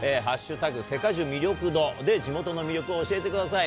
セカジュ魅力度で、地元の魅力を教えてください。